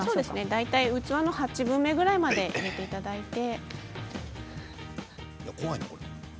大体、器の８分目ぐらいまで入れていただいて。